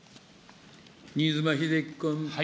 新妻秀規君。